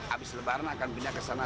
habis lebaran akan pindah ke sana